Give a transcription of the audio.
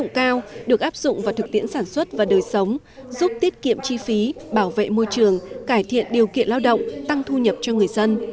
đồng thời các nhà trí thức khoa học đã được áp dụng vào thực tiễn sản xuất và đời sống giúp tiết kiệm chi phí bảo vệ môi trường cải thiện điều kiện lao động tăng thu nhập cho người dân